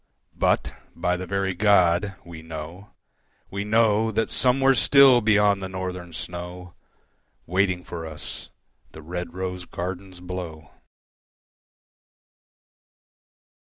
But, by the very God, we know, we know That somewhere still, beyond the Northern snow Waiting for us the red rose gardens blow.